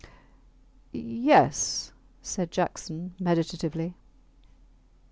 Ye e e s, said Jackson, meditatively.